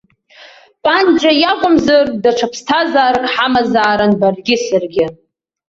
Панџьа иакәымзар, даҽа ԥсҭазарак ҳамазаарын баргьы саргьы.